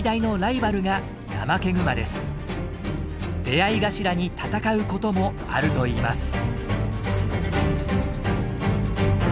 出会い頭に戦うこともあるといいます。